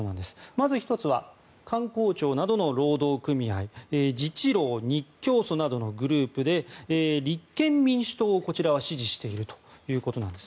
まず１つは官公庁などの労働組合自治労、日教組などのグループで立憲民主党を支持しているということなんです。